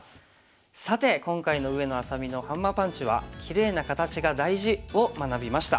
さて今回の上野愛咲美のハンマーパンチは「キレイな形が大事」を学びました。